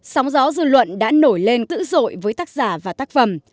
sóng gió dư luận đã nổi lên tự dội với tác giả và tác phẩm